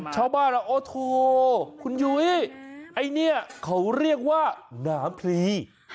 ชาวบ้านโอ้โหคุณยุ้ยไอ้เนี่ยเขาเรียกว่าหนามพลี